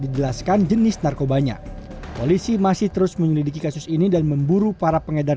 dijelaskan jenis narkobanya polisi masih terus menyelidiki kasus ini dan memburu para pengedar